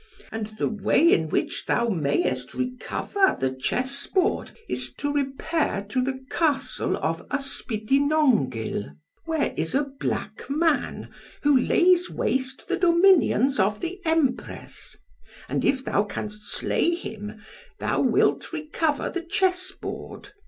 And the way in which thou mayest recover the chessboard is, to repair to the Castle of Ysbidinongyl, where is a black man, who lays waste the dominions of the Empress; and if thou canst slay him, thou wilt recover the chessboard.